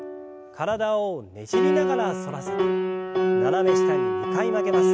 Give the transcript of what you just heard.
体をねじりながら反らせて斜め下に２回曲げます。